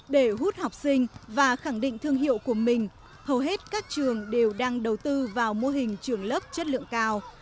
để hút học sinh và khẳng định thương hiệu của mình hầu hết các trường đều đang đầu tư vào mô hình trường lớp chất lượng cao